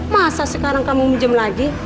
masa sekarang kamu minjem lagi